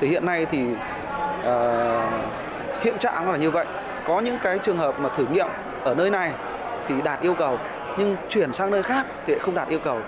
thì hiện nay thì hiện trạng nó là như vậy có những cái trường hợp mà thử nghiệm ở nơi này thì đạt yêu cầu nhưng chuyển sang nơi khác thì không đạt yêu cầu